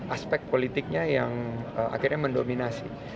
aspek politiknya yang akhirnya mendominasi